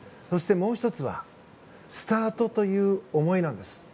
そしてもう１つはスタートという思いなんです。